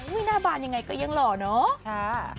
หน้าบานยังไงก็ยังหล่อเนาะ